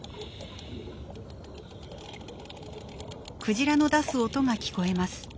クジラの出す音が聞こえます。